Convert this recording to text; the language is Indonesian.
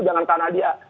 jangan karena dia